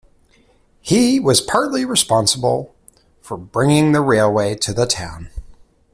He was partly responsible for bringing the railway to the town.